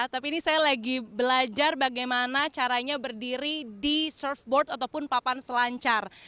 tapi ini saya lagi belajar bagaimana caranya berdiri di surfboard ataupun papan selancar